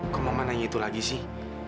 kok mama nanya itu lagi sih